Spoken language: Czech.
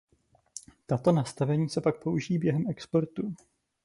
Tato nastavení se pak použijí během exportu.